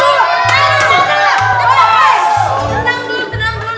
tenang dulu tenang dulu